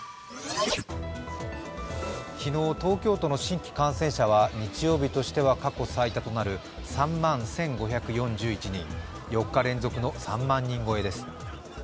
昨日、東京都の新規感染者は日曜日としては過去最多となる３万１５４１人、４日連続の３万人超えです。